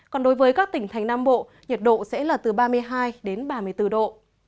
còn đối với các tỉnh thành nam bộ nhiệt độ sẽ là từ ba mươi hai đến ba mươi bốn độ